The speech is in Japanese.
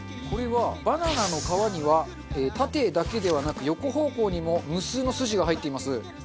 これはバナナの皮には縦だけではなく横方向にも無数の筋が入っています。